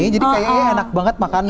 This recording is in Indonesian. jadi kayaknya enak banget makannya